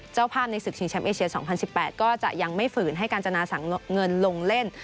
เจ้าภาพในศึกชิงแชมป์เอเชีย๒๐๑๘ก็จะยังไม่ฝืนให้กาญจนาสั่งเงินลงเล่น